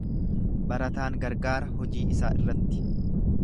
Barataan gargaara hojii isaa irratti.